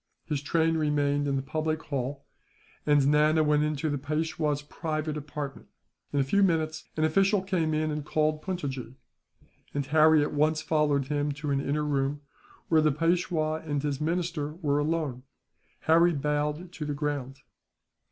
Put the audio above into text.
His train remained in the public hall, and Nana went into the Peishwa's private apartment. In a few minutes, an official came in and called Puntojee; and Harry at once followed him to an inner room, where the Peishwa and his minister were alone. Harry bowed to the ground.